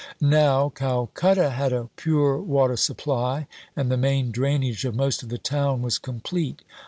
Now, Calcutta had a pure water supply and the main drainage of most of the town was complete.